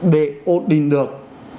để ổn định được